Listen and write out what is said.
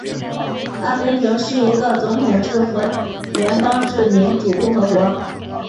阿根廷是一个总统制和联邦制民主共和国。